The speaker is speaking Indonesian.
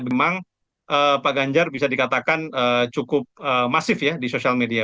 memang pak ganjar bisa dikatakan cukup masif ya di sosial media